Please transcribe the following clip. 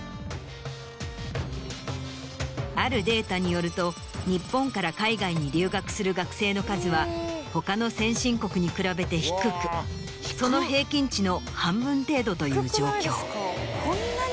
あるデータによると日本から海外に留学する学生の数は他の先進国に比べて低くその平均値の半分程度という状況。